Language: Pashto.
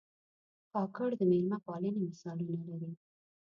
کاکړ د مېلمه پالنې مثالونه لري.